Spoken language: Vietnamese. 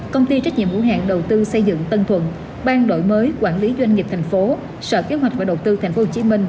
công ty trách nhiệm hữu hạn đầu tư xây dựng tân thuận ban đổi mới quản lý doanh nghiệp thành phố sở kế hoạch và đầu tư tp hcm